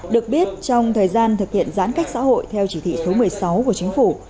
được biết trong thời gian thực hiện giãn cách xã hội theo chỉ thị số một mươi sáu của chính phủ